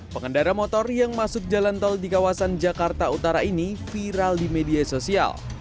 pengendara motor yang masuk jalan tol di kawasan jakarta utara ini viral di media sosial